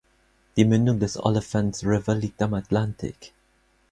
Die Mündung des "Olifants River" liegt am Atlantik.